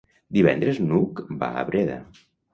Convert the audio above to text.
Divendres n'Hug va a Breda.